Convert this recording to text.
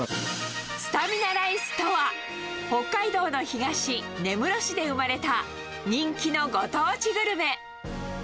スタミナライスとは、北海道の東、根室市で生まれた人気のご当地グルメ。